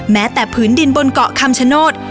แม้แต่ผืนดินบนเกาะคำชโนธ